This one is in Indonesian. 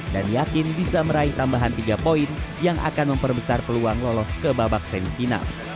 yakin bisa meraih tambahan tiga poin yang akan memperbesar peluang lolos ke babak semifinal